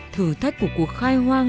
thử thách của cuộc khai hoang